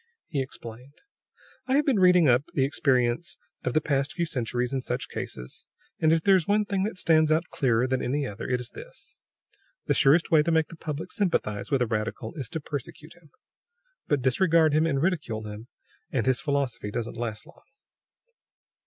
He explained: "I have been reading up the experience of the past few centuries in such cases; and if there is one thing that stands out clearer than any other it is this: the surest way to make the public sympathize with a radical is to persecute him. But disregard him and ridicule him, and his philosophy doesn't last long.